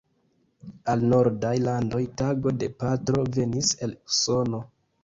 Al Nordaj landoj tago de patro venis el Usono.